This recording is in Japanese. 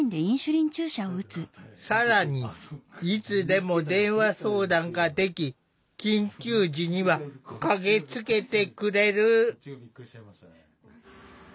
更にいつでも電話相談ができ緊急時には駆けつけてくれる。